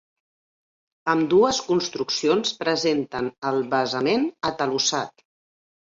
Ambdues construccions presenten el basament atalussat.